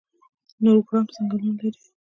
نورګرام ځنګلونه لري؟